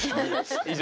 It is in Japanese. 以上？